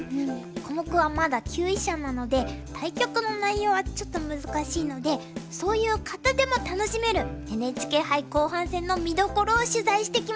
コモクはまだ級位者なので対局の内容はちょっと難しいのでそういう方でも楽しめるＮＨＫ杯後半戦の見どころを取材してきました。